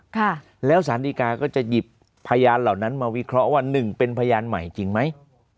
ค่ะแล้วสารดีกาก็จะหยิบพยานเหล่านั้นมาวิเคราะห์ว่าหนึ่งเป็นพยานใหม่จริงไหม